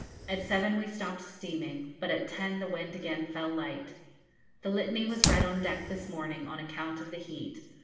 At 7 we stopped steaming, but at 10 the wind again fell light. The Litany was read on deck this morning on account of the heat.